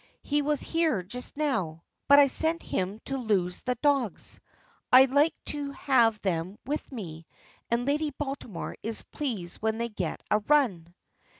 "He was here just now, but I sent him to loose the dogs. I like to have them with me, and Lady Baltimore is pleased when they get a run."